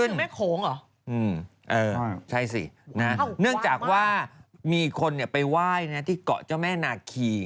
นี่ถึงแม่โขงเหรอเนี่ยใช่สิเนื่องจากว่ามีคนไปไหว้ที่เกาะเจ้าแม่นาคี